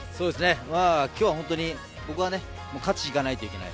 今日は本当に、僕は勝ちにいかないといけない。